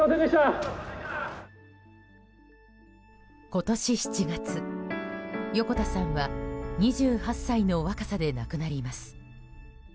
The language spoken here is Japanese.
今年７月、横田さんは２８歳の若さで亡くなります。